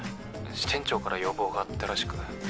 ☎支店長から要望があったらしく